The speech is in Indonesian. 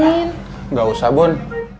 enggak usah bun